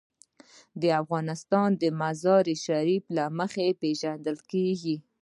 افغانستان د مزارشریف له مخې پېژندل کېږي.